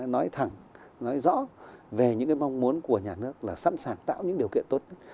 nói thẳng nói rõ về những cái mong muốn của nhà nước là sẵn sàng tạo những điều kiện tốt